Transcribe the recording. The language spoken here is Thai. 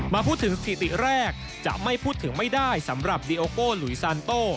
มาพูดถึงสถิติแรกจะไม่พูดถึงไม่ได้สำหรับดีโอโก้หลุยซานโต้